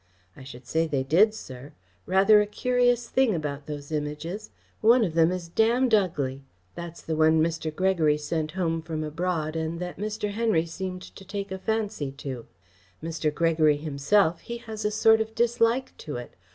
"I should say they did, sir. Rather a curious thing about those Images. One of them is damned ugly. That's the one Mr. Gregory sent home from abroad and that Mr. Henry seemed to take a fancy to. Mr. Gregory himself, he has a sort of dislike to it.